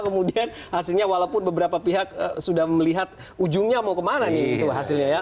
kemudian hasilnya walaupun beberapa pihak sudah melihat ujungnya mau kemana nih itu hasilnya ya